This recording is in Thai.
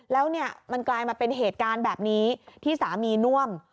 แล้วเนี่ยมันกลายมาเป็นเหตุการณ์แบบนี้ที่สามีน่วม